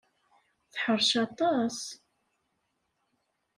Teḥṛec aṭas.